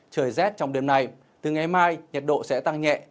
trời rét trong đêm nay từ ngày mai nhiệt độ sẽ tăng nhẹ